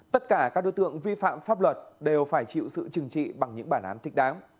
tất cả các đối tượng vi phạm pháp luật đều phải chịu sự trừng trị bằng những bản án thích đáng